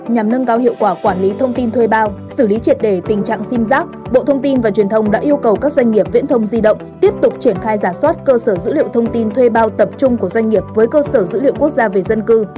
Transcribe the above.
nhằm nâng cao hiệu quả quản lý thông tin thuê bao xử lý triệt đề tình trạng sim giác bộ thông tin và truyền thông đã yêu cầu các doanh nghiệp viễn thông di động tiếp tục triển khai giả soát cơ sở dữ liệu thông tin thuê bao tập trung của doanh nghiệp với cơ sở dữ liệu quốc gia về dân cư